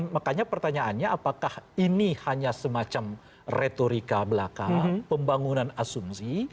makanya pertanyaannya apakah ini hanya semacam retorika belaka pembangunan asumsi